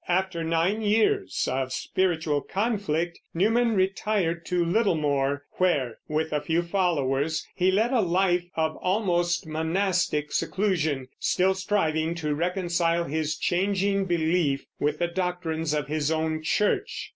After nine years of spiritual conflict Newman retired to Littlemore, where, with a few followers, he led a life of almost monastic seclusion, still striving to reconcile his changing belief with the doctrines of his own church.